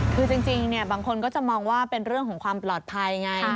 คือจริงบางคนก็จะมองว่าเป็นเรื่องของความปลอดภัยไง